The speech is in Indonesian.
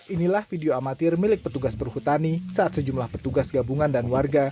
inilah video amatir milik petugas perhutani saat sejumlah petugas gabungan dan warga